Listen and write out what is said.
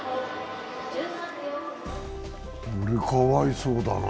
かわいそうだな。